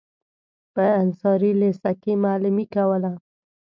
په انصاري لېسه کې معلمي کوله.